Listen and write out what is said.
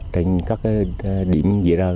trên các điểm